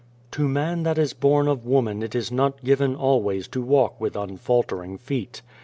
To man that is born of woman it is not given always to walk with unfaltering feet.